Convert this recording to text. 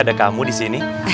ada kamu disini